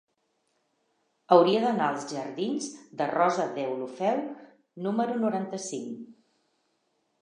Hauria d'anar als jardins de Rosa Deulofeu número noranta-cinc.